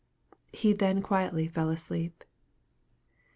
He then quietly fell asleep.